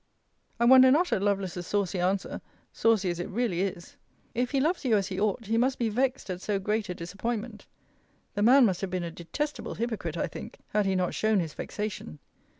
I wonder not at Lovelace's saucy answer, saucy as it really is.* If he loves you as he ought, he must be vexed at so great a disappointment. The man must have been a detestable hypocrite, I think, had he not shown his vexation.